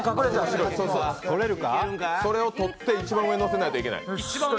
それを取って一番上に乗せないといけない。